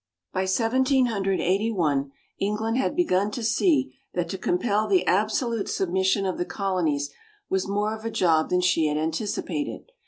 By Seventeen Hundred Eighty one, England had begun to see that to compel the absolute submission of the Colonies was more of a job than she had anticipated.